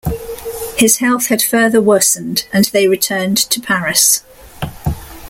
His health had further worsened and they returned to Paris.